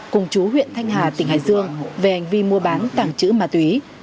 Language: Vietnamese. cùng chú huyện thanh hà tỉnh hải dương về hành vi mua bán tàng trữ ma túy